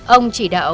ông chỉ đạo